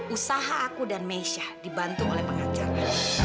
usaha aku dan mesya dibantu oleh pengacara